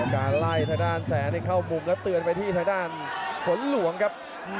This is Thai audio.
การไล่ทางด้านแสนเข้ามุมแล้วเตือนไปที่ทางด้านฝนหลวงครับ